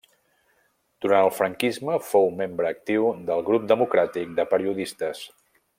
Durant el franquisme fou membre actiu del Grup Democràtic de Periodistes.